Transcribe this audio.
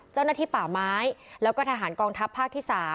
เจ้าหน้าที่ป่าไม้แล้วก็ทหารกองทัพภาคที่๓